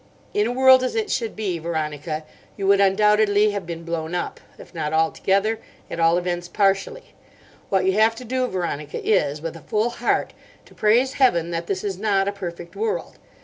In a world as it should be, Veronica, you would undoubtedly have been blown up—if not altogether, at all events partially. What you have to do, Veronica, is, with a full heart, to praise Heaven that this is not a perfect world.